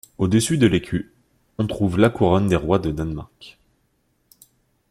Au-dessus de l'écu, on trouve la couronne des rois de Danemark.